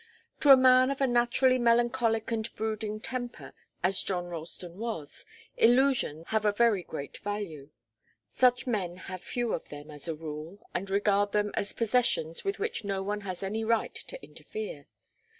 To a man of a naturally melancholic and brooding temper, as John Ralston was, illusions have a very great value. Such men have few of them, as a rule, and regard them as possessions with which no one has any right to interfere.